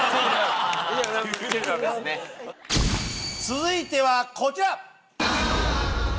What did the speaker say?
続いてはこちら！